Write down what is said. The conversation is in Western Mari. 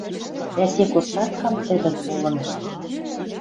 Дӓ сек остаткам тӹдӹ колын